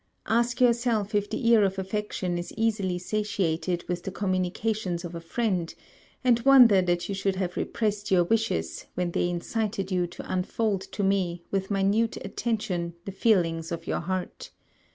Ask yourself if the ear of affection is easily satiated with the communications of a friend, and wonder that you should have repressed your wishes, when they incited you to unfold to me, with minute attention, the feelings of your heart.